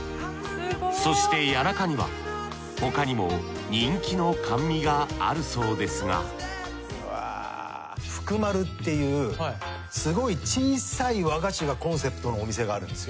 そして谷中には他にも人気の甘味があるそうですが福丸っていうすごい小さい和菓子がコンセプトのお店があるんですよ。